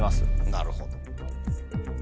なるほど。